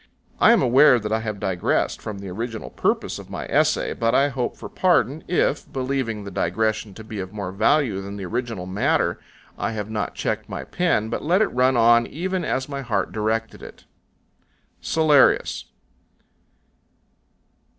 I am aware that I have digressed from the original purpose of my essay, but I hope for pardon, if, believing the digression to be of more value than the original matter, I have not checked my pen, but let it run on even as my heart directed it. CELLARIUS.